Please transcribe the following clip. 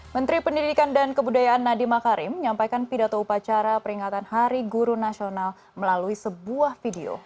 menteri pendidikan dan kebudayaan nadiem makarim menyampaikan pidato upacara peringatan hari guru nasional melalui sebuah video